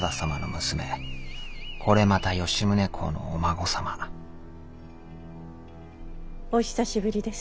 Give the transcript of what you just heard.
これまた吉宗公のお孫様お久しぶりです